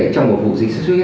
trong một vụ dịch xuất huyết